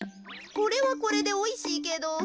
これはこれでおいしいけど。